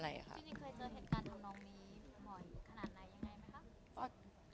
จริงเคยเจอเหตุการณ์ทำนองนี้บ่อยขนาดไหนยังไงไหมคะ